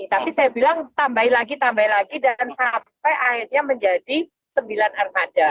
tapi saya bilang tambahin lagi tambah lagi dan sampai akhirnya menjadi sembilan armada